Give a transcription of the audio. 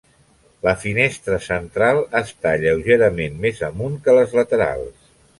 La finestra central està lleugerament més amunt que les laterals.